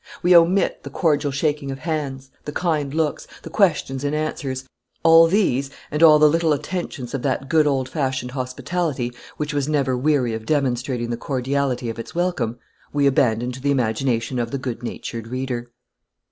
We omit the cordial shaking of hands; the kind looks; the questions and answers; all these, and all the little attentions of that good old fashioned hospitality, which was never weary of demonstrating the cordiality of its welcome, we abandon to the imagination of the good natured reader.